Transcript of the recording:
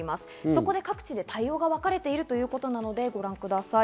そこで各地で対応がわかれているということなので、ご覧ください。